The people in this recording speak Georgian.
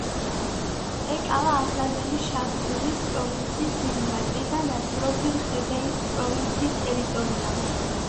ეკავა ახლანდელი შანდუნის პროვინციის დიდი ნაწილი და ნაწილობრივ ხებეის პროვინციის ტერიტორია.